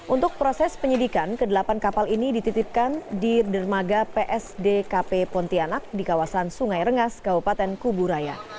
untuk proses penyidikan kedelapan kapal ini dititipkan di dermaga psdkp pontianak di kawasan sungai rengas kabupaten kuburaya